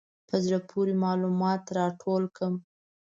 په زړه پورې معلومات راټول کړم.